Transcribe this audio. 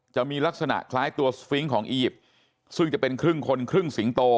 จะมีลักษณะคล้ายตัวสฟิงค์ของอียิปต์ซึ่งจะเป็นครึ่งคนครึ่งสิงโต